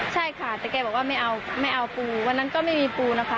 ใช่ค่ะแต่แกบอกว่าไม่เอาไม่เอาปูวันนั้นก็ไม่มีปูนะคะ